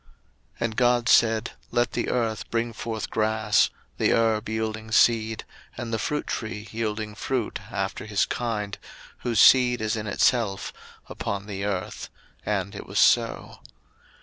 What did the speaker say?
01:001:011 And God said, Let the earth bring forth grass, the herb yielding seed, and the fruit tree yielding fruit after his kind, whose seed is in itself, upon the earth: and it was so.